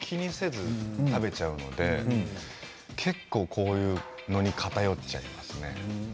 だから何も気にせずに食べちゃうので結構こういうのに偏っちゃいますね。